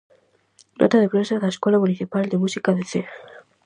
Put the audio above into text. Nota de prensa da escola municipal de música de Cee.